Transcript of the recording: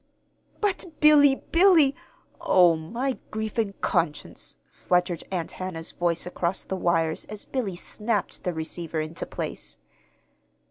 "But, Billy, Billy! Oh, my grief and conscience," fluttered Aunt Hannah's voice across the wires as Billy snapped the receiver into place.